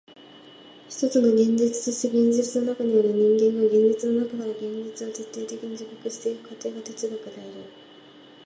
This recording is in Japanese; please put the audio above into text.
ひとつの現実として現実の中にある人間が現実の中から現実を徹底的に自覚してゆく過程が哲学である。